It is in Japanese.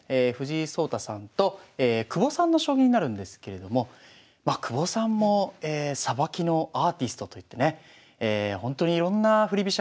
藤井聡太さんと久保さんの将棋になるんですけれどもまあ久保さんもさばきのアーティストといってねほんとにいろんな振り